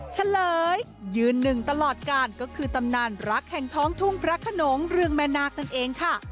เฉลยยืนหนึ่งตลอดการก็คือตำนานรักแห่งท้องทุ่งพระขนงเรื่องแม่นาคนั่นเองค่ะ